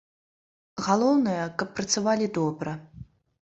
Галоўнае, каб працавалі добра.